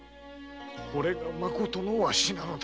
これがまことのわしなのだ。